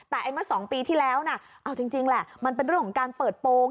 แต่เมื่อ๒ปีที่แล้วนะเอาจริงแหละมันเป็นเรื่องของการเปิดโปรง